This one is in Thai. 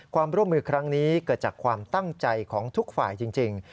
ความร่วมมือครั้งนี้เกิดจากความตั้งใจของทุกฝ่ายจริง